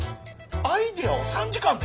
アイデアを３時間で？